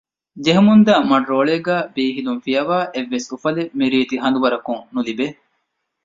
ޖެހެމުންދާ މަޑުވައިރޯޅީގައި ބީހިލުން ފިޔަވައި އެއްވެސް އުފަލެއް މިރީތި ހަނދުވަރަކުން ނުލިބޭ